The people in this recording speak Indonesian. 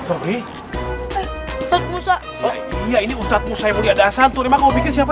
ini ustadz musa ya ini ustadz musa yang mulia dasar tuh memang mau bikin siapa